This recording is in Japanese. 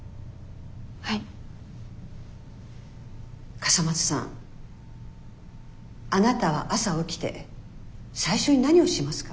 笠松さんあなたは朝起きて最初に何をしますか？